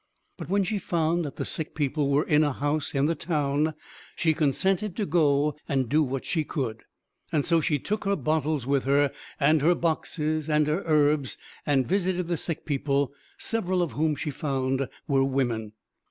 But when she found that the sick people were in a house in the town, she consented to go and do what she could. So she took her bottles with her, and her boxes and her herbs, and visited the sick people, several of whom she found were women.